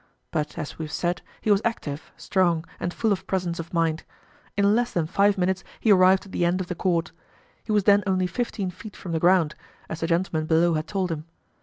But as we have said he was active, strong, and full of presence of mind. In less than five minutes he arrived at the end of the cord. He was then only fifteen feet from the ground, as the gentlemen below had told him.